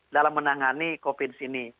dalam menangani covid sembilan belas ini